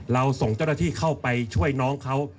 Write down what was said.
เราส่งเจ้าหน้าที่เข้าไปช่วยน้องเขา